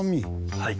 はい。